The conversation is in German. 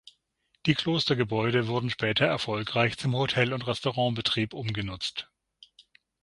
Die Klostergebäude wurden später erfolgreich zum Hotel- und Restaurantbetrieb umgenutzt.